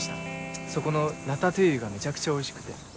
そこのラタトゥイユがめちゃくちゃおいしくて。